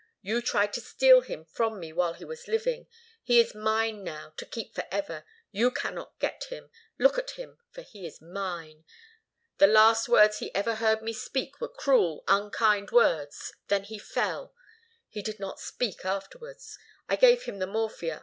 You tried to steal him from me while he was living. He is mine now, to keep forever. You cannot get him. Look at him, for he is mine. The last words he ever heard me speak were cruel, unkind words. Then he fell. He did not speak afterwards. I gave him the morphia.